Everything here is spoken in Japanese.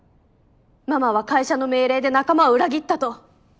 ママは会社の命令で仲間を裏切ったと。